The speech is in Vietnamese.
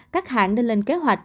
các hãng nên lên kế hoạch